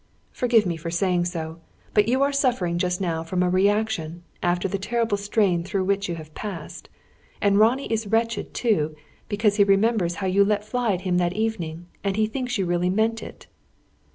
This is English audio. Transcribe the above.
Forgive me for saying so, but you are suffering just now from a reaction, after the terrible strain through which you have passed. And Ronnie is wretched too, because he remembers how you let fly at him that evening, and he thinks you really meant it."